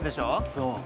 そう。